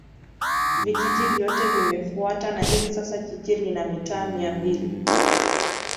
vijiji vyote vimefutwa na hivi sasa jiji lina mitaa mia mbili